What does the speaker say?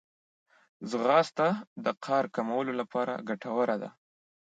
ځغاسته د قهر کمولو لپاره ګټوره ده